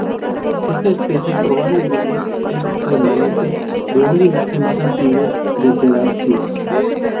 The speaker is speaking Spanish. Esta especie probablemente es remanente de un linaje más antiguo de terápsidos.